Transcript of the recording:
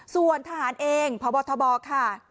ส่วนทหารเองพบทบค่ะ